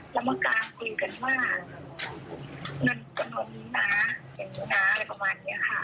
แล้วเมื่อกลางคุยกันว่าเงินเงินนี้นะเงินเงินนี้นะอะไรประมาณนี้ค่ะ